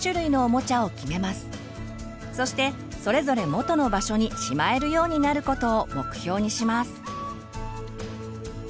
そしてそれぞれ元の場所にしまえるようになることを目標にします。